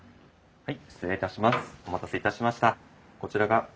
はい。